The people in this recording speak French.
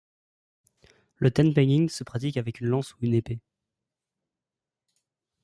Le tent pegging se pratique avec une lance ou une épée.